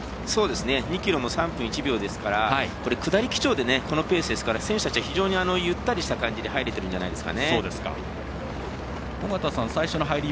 ２ｋｍも３分１秒ですから下り基調でこのペースなので選手たちは非常に入れてるんじゃないですかね。